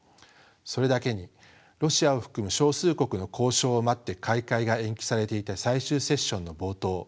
それだけにロシアを含む少数国の交渉を待って開会が延期されていた最終セッションの冒頭